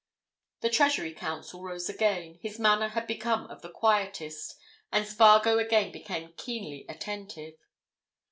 The Treasury Counsel rose again. His manner had become of the quietest, and Spargo again became keenly attentive.